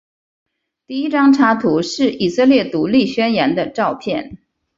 第一张插图是以色列独立宣言的照片。